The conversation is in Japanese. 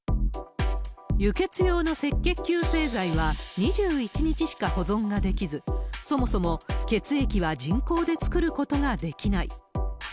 輸血用の赤血球製剤は２１日しか保存ができず、そもそも血液は人工で作ることができない。